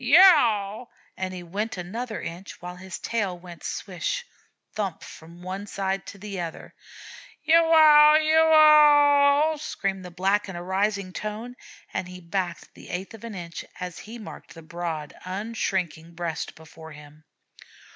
"Yow w!" and he went another inch, while his tail went swish, thump, from one side to the other. "Ya wow yow w!" screamed the Black in a rising tone, and he backed the eighth of an inch, as he marked the broad, unshrinking breast before him.